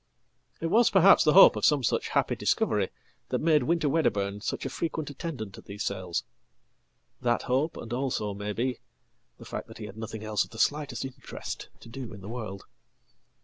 It was perhaps the hope of some such happy discovery that made WinterWedderburn such a frequent attendant at these sales that hope, and also, maybe, the fact that he had nothing else of the slightest interest to doin the world.